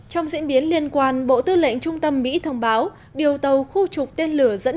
trong diễn biến liên quan bộ tư lệnh trung tâm mỹ thông báo điều tàu khu trục tên lửa dẫn